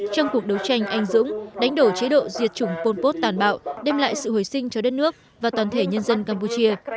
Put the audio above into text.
trong cuộc đấu tranh anh dũng đánh đổ chế độ diệt chủng pol pot tàn bạo đem lại sự hồi sinh cho đất nước và toàn thể nhân dân campuchia